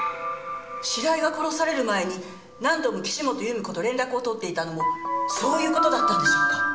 白井が殺される前に何度も岸本由美子と連絡を取っていたのもそういう事だったんでしょうか？